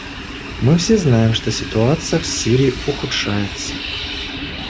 Мы все знаем, что ситуация в Сирии ухудшается.